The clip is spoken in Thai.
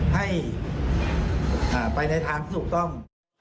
ให้ไปในทางที่ถูกต้อง